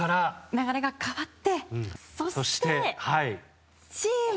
流れが変わってそして。